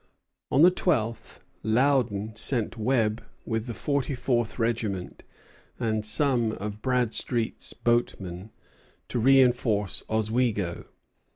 On the twelfth Loudon sent Webb with the forty fourth regiment and some of Bradstreet's boatmen to reinforce Oswego.